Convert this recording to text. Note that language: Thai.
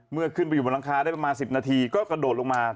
เมื่อขึ้นไปอยู่บนหลังคาได้ประมาณ๑๐นาทีก็กระโดดลงมา